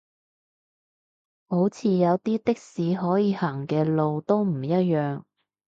好似有啲的士可以行嘅路都唔一樣